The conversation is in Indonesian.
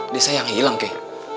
desa yang hilang kei